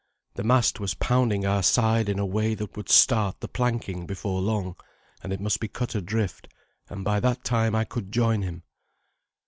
The mast was pounding our side in a way that would start the planking before long, and it must be cut adrift, and by that time I could join him.